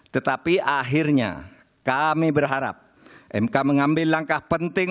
tetapi akhirnya kami berharap mk mengambil langkah penting